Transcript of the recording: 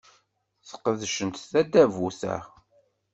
Sqedcent tadabut-a.